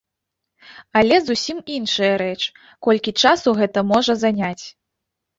Але зусім іншая рэч, колькі часу гэта можа заняць.